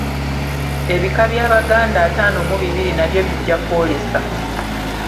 Ebika by’abaganda ataano mu bibiri nabyo bijja kwolesa.